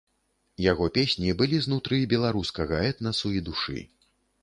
Яго песні былі знутры беларускага этнасу і душы.